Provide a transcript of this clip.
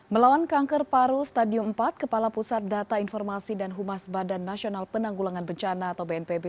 melawan kanker paru stadium empat kepala pusat data informasi dan humas badan nasional penanggulangan bencana atau bnpb